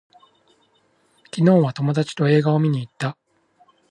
昨日は友達と映画を見に行った